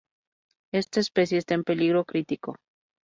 Esta especie está en peligro crítico.